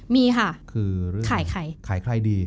มีค่ะขายใครดี